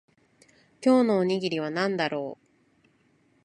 今日のおにぎりは何だろう